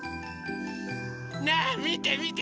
ねえみてみて！